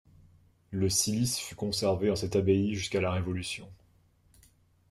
Le cilice fut conservé dans cette abbaye jusqu’à la Révolution.